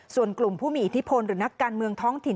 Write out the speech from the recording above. ส่วนกลุ่มผู้มีอิทธิพลหรือนักการเมืองท้องถิ่น